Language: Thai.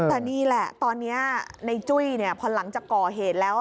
แต่นี่แหละตอนนี้ในจุ้ยพอหลังจากก่อเหตุแล้ว